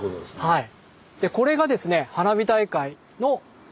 はい。